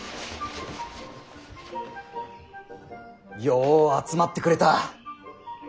よう集まってくれた。